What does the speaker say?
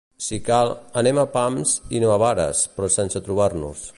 Si cal, anem a pams i no a vares, però sense torbar-nos.